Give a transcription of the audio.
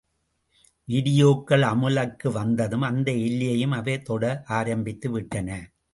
வீடியோக்கள் அமலுக்கு வந்ததும் அந்த எல்லையையும் அவை தொட ஆரம்பித்துவிட்டன.